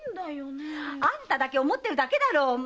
あんただけ思ってるだけだろう！